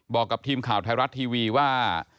บอกกับทีมข่าวไทยรัฐทีวีว่า